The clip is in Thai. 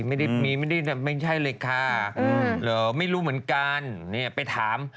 ไม่ได้มีไม่ได้ไม่ใช่เลยค่ะเหรอไม่รู้เหมือนกันเนี่ยไปถาม